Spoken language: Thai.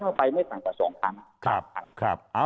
เข้าไปไม่กว่า๒ครั้ง